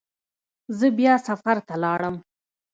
زه بیا سفر ته لاړم.